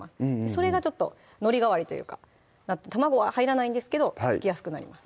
それがちょっとのり代わりというか卵は入らないんですけどくっつきやすくなります